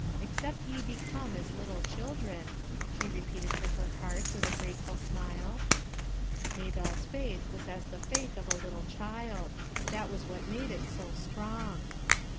"Except ye be come as little children/ 1 she repeated to her heart with a grateful smile. Maybelle's faith was as the faith of a little child; that was what made it so strong.